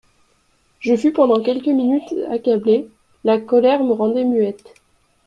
Je fus pendant quelques minutes accablée ; la colère me rendait muette.